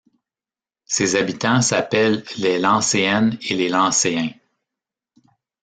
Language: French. Ses habitants s'appellent les Lancéennes et les Lancéens.